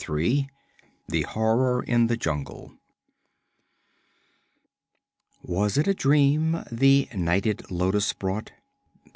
3 The Horror in the Jungle _Was it a dream the nighted lotus brought?